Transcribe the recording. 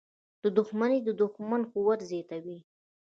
• دښمني د دوښمن قوت زیاتوي.